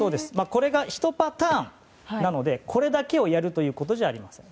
これが１パターンなのでこれだけをやるということじゃありません。